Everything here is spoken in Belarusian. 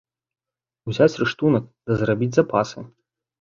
Узяць рыштунак, ды зрабіць запасы.